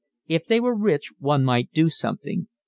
If they were rich one might do something.